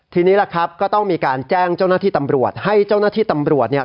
ทีนี้ล่ะครับก็ต้องมีการแจ้งเจ้าหน้าที่ตำรวจให้เจ้าหน้าที่ตำรวจเนี่ย